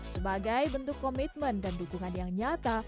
sebagai bentuk komitmen dan dukungan yang nyata